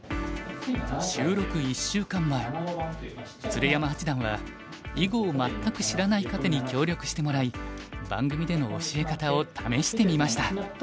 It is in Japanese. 鶴山八段は囲碁を全く知らない方に協力してもらい番組での教え方を試してみました。